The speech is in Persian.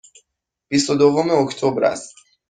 بیست و دوم اکتبر است.